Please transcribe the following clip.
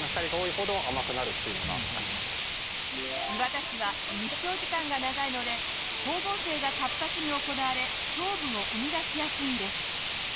磐田市は日照時間が長いので光合成が活発に行われ糖分を生み出しやすいんです。